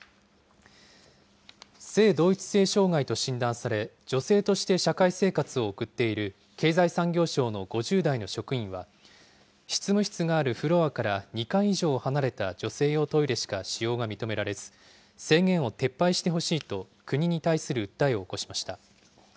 性同一性障害と診断され、女性として社会生活を送っている経済産業省の５０代の職員は、執務室があるフロアから２階以上離れた女性用トイレしか使用が認められず、制限を撤廃してほしいと国に対する訴えを起こしました。